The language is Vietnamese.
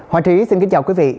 hoàn thúy xin kính chào quý vị